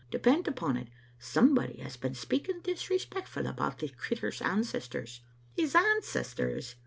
Depend upon it, somebody has been speaking disrespectful about the crittur's ancestors." "His ancestors!"